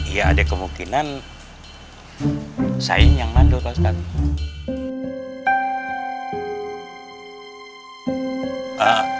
ya ada kemungkinan saing yang mandul pak ustadz